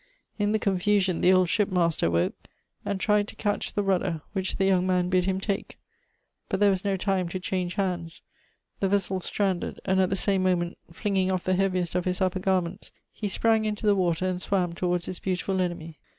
In the confusion the old ship master woke, and tried to catch the rudder, which the young man bid him take. But there was no time to change hands. The vessel stranded ; and at the same moment, flinging off the heaviest of his upper gai ments, he sprang into the water and swam towards his beautifUl enemy.